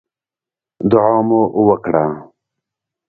دعا مو وکړه.